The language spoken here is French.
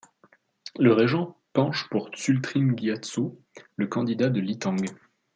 Le régent penche pour Tsultrim Gyatso, le candidat de Lithang.